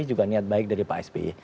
juga niat baik dari pak sby